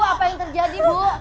apa yang terjadi bu